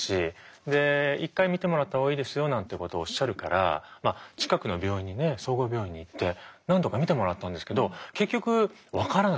で「一回診てもらったほうがいいですよ」なんてことをおっしゃるからまあ近くの病院にね総合病院に行って何度か診てもらったんですけど結局分からなくて。